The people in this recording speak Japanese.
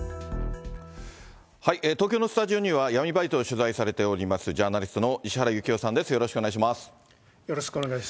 東京のスタジオには、闇バイトを取材されております、ジャーナリストの石原行雄さんです。